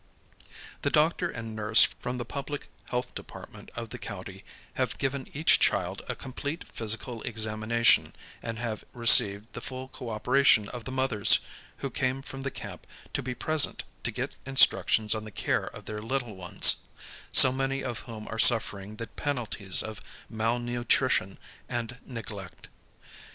The doctor and nurse from the public health department of the county have given each child a complete physical examination and have received the full cooperation of the mothers who came from the camp to be present to get instructions on the care of their little ones, so many of whom are suffering the penalties of malnutrition and neg lect.